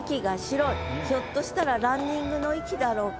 ひょっとしたらランニングの息だろうか？